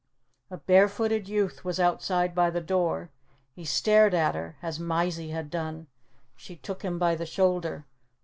A barefooted youth was outside by the door. He stared at her, as Mysie had done. She took him by the shoulder.